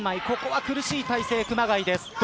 ここは苦しい体勢、熊谷です。